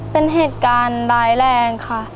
เป็นเหตุการณ์ร้ายแรงค่ะ